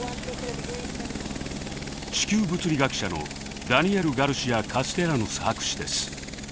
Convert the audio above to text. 地球物理学者のダニエル・ガルシア・カステリャノス博士です。